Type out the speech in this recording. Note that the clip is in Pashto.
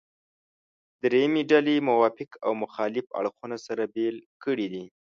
درېیمې ډلې موافق او مخالف اړخونه سره بېل کړي دي.